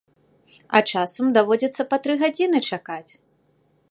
А часам даводзіцца па тры гадзіны чакаць!